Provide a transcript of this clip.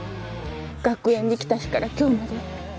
「学園に来た日から今日まで」